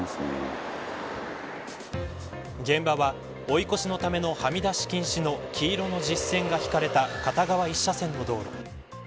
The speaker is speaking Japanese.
現場は追い越しのためのはみ出し禁止の黄色の実線が引かれた片側１車線の道路。